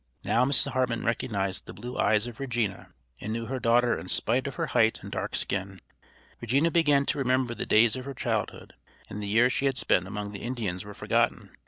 Now Mrs. Hartman recognized the blue eyes of Regina, and knew her daughter in spite of her height and dark skin. Regina began to remember the days of her childhood, and the years she had spent among the Indians were forgotten.